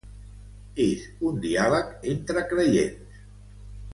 És un diàleg entre creients.